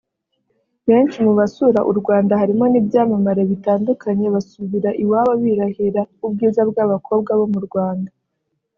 Benshi mu basura u Rwanda harimo n’ibyamamare bitandukanye basubira iwabo birahira ubwiza bw’abakobwa bo mu Rwanda